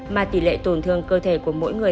mà tỷ lệ tổn thương cơ thể của mỗi người